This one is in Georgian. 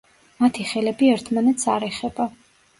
მათი ხელები ერთმანეთს არ ეხება.